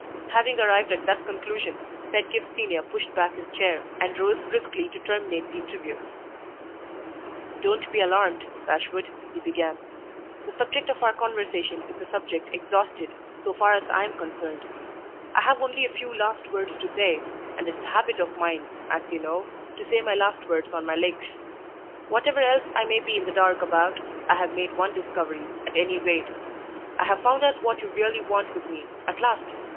Having arrived at that conclusion, Pedgift Senior pushed back his chair, and rose briskly to terminate the interview. "Don't be alarmed, Bashwood," he began. "The subject of our conversation is a subject exhausted, so far as I am concerned. I have only a few last words to say, and it's a habit of mine, as you know, to say my last words on my legs. Whatever else I may be in the dark about, I have made one discovery, at any rate. I have found out what you really want with me at last!